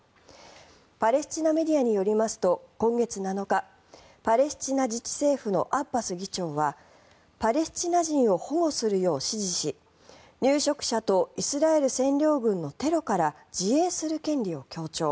パレスチナメディアによりますと今月７日パレスチナ自治政府のアッバス議長はパレスチナ人を保護するよう指示し入植者とイスラエル占領軍のテロから自衛する権利を強調。